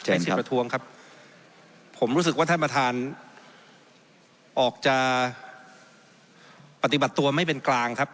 เช่นครับผมรู้สึกว่าท่านประธานออกจะปฏิบัติตัวไม่เป็นกลางครับ